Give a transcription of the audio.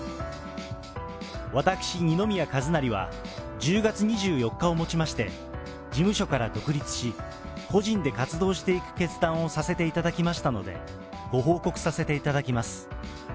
私、二宮和也は、１０月２４日をもちまして、事務所から独立し、個人で活動していく決断をさせていただきましたので、ご報告させていただきます。